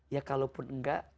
ya kalaupun enggak